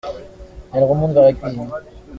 Elle remonte vers la cuisine.